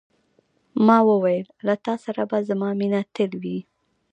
ما وویل، له تا سره به زما مینه تل وي.